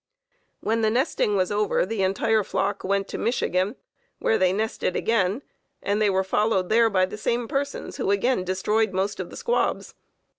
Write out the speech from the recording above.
When the nesting was over the entire flock went to Michigan, where they nested again, and they were followed there by the same persons who again destroyed most of the squabs.